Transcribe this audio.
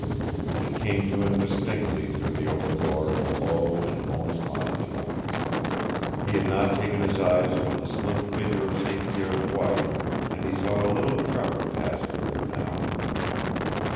It came to him distinctly through the open door in a low and moaning monotone. He had not taken his eyes from the slim figure of St. Pierre's wife, and he saw a little tremor pass through her now.